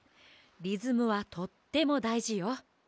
リズムはとってもだいじよ。